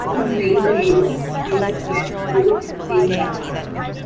Both Steinlager beers were brewed in the same vat.